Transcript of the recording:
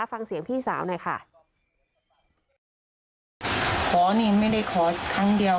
ฟังเสียงพี่สาวนะค่ะ